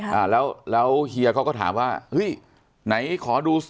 อ่าแล้วแล้วเฮียเขาก็ถามว่าเฮ้ยไหนขอดู